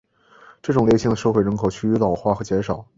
这种类型的社会人口趋于老化和减少。